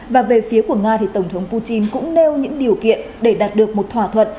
và về phía của nga thì tổng thống putin cũng nêu những điều kiện để đạt được một thỏa thuận